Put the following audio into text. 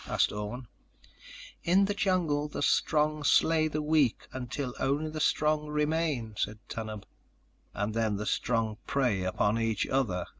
asked Orne. "In the jungle the strong slay the weak until only the strong remain," said Tanub. "And then the strong prey upon each other?"